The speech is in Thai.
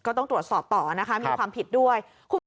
ก็ต้องตรวจสอบต่อนะคะมีความผิดด้วย